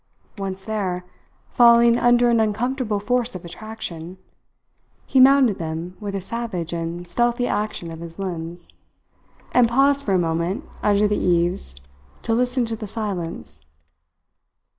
Once there, falling under an uncontrollable force of attraction, he mounted them with a savage and stealthy action of his limbs, and paused for a moment under the eaves to listen to the silence.